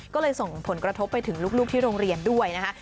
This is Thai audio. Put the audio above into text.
ก็เลยส่งผลกระทบไปถึงลูกที่โรงเรียนด้วยนะคะ